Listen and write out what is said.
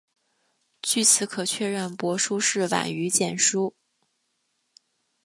据此可确认帛书是晚于简书。